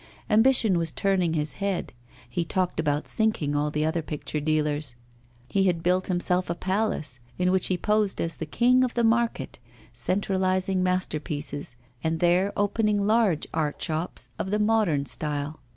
Ambition was turning his head; he talked about sinking all the other picture dealers; he had built himself a palace, in which he posed as the king of the market, centralising masterpieces, and there opening large art shops of the modern style.